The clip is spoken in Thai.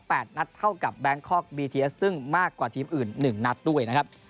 นัดเท่ากับแบงคอกบีทีเอสซึ่งมากกว่าทีมอื่นหนึ่งนัดด้วยนะครับ